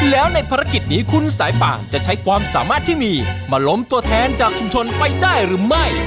แล้วในภารกิจนี้คุณสายป่านจะใช้ความสามารถที่มีมาล้มตัวแทนจากชุมชนไปได้หรือไม่